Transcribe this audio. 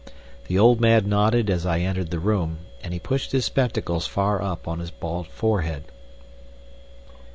The old man nodded as I entered the room, and he pushed his spectacles far up on his bald forehead.